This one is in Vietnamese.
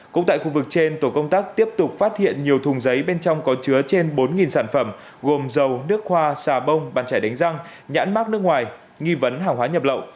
cũng tại khu vực trên tổ công tác tiếp tục phát hiện nhiều thùng giấy bên trong có chứa trên bốn sản phẩm gồm dầu nước hoa xà bông bàn trẻ đánh răng nhãn mát nước ngoài nghi vấn hàng hóa nhập lậu